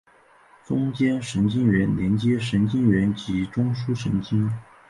中间神经元连接神经元及中枢神经。